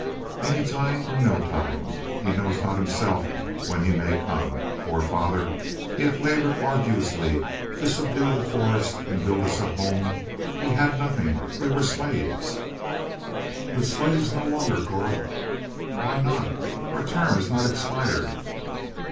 "Any time, or no time. He knows not himself when he may come. Poor father; he hath labored arduously to subdue the forest and build us a home. We had nothing, we were slaves." "But slaves no longer, Cora." "Why not? Our term has not expired."